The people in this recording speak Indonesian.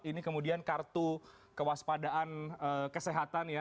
ini kemudian kartu kewaspadaan kesehatan ya